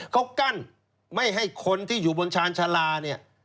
เขากั้นไม่ให้คนที่อยู่บนชาญชาลาเนี่ย